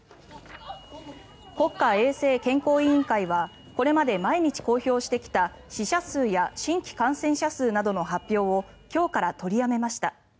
国家衛生健康委員会はこれまで毎日公開してきた死者数や新規感染者数などの発表を今日から取りやめました。